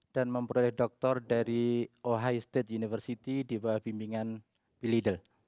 dan memproduksi dokter dari ohio state university di bawah bimbingan bilidel